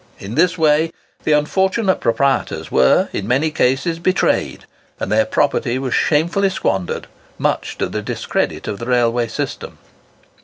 In this way the unfortunate proprietors were, in many cases, betrayed, and their property was shamefully squandered, much to the discredit of the railway system.